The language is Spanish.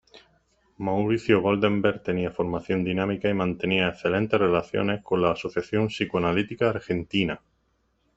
Mauricio Goldenberg tenía formación dinámica y mantenía excelentes relaciones con la Asociación Psicoanalítica Argentina.